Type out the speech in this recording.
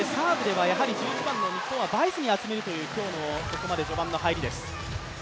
サーブでは、日本は１１番のバイスに集めるという今日のここまで序盤の入りです。